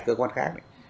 cơ quan khác